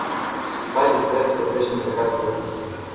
Espais estrets que es deixa entre cases veïnes.